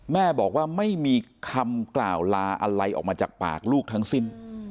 แม่บอกว่าไม่มีคำกล่าวลาอะไรออกมาจากปากลูกทั้งสิ้น